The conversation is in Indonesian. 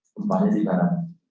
gempanya di garak